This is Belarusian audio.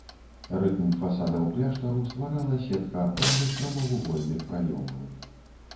Рытм фасадаў кляштару стварала сетка аконных прамавугольных праёмаў.